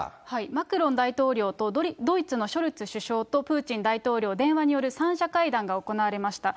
マクロン大統領と、ドイツのショルツ首相とプーチン大統領、電話による三者会談が行われました。